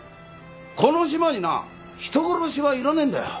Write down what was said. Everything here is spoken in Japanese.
この島にな人殺しはいらねえんだよ。